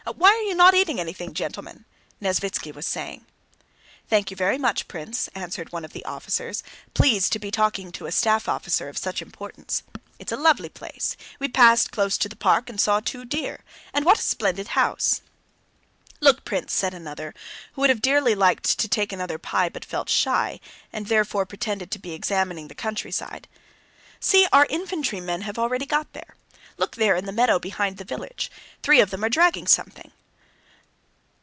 Why are you not eating anything, gentlemen?" Nesvítski was saying. "Thank you very much, Prince," answered one of the officers, pleased to be talking to a staff officer of such importance. "It's a lovely place! We passed close to the park and saw two deer... and what a splendid house!" "Look, Prince," said another, who would have dearly liked to take another pie but felt shy, and therefore pretended to be examining the countryside—"See, our infantrymen have already got there. Look there in the meadow behind the village, three of them are dragging something.